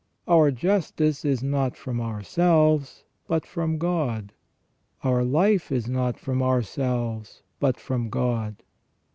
Our justice is not from ourselves, but from God. Our life is not from ourselves, but from God.